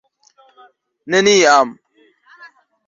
Neniam!